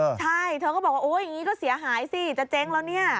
ใช่เธอก็บอกว่าโอ๊ยอย่างนี้ก็เสียหายสิจะเจ๊งแล้วเนี่ย